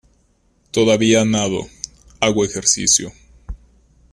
Todavía nado, hago ejercicio.